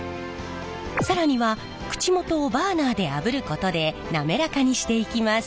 更には口元をバーナーであぶることで滑らかにしていきます。